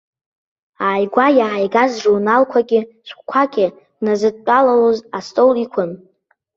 Ааигәа иааигаз журналқәаки шәҟәқәаки дназыдтәалалоз астол иқәын.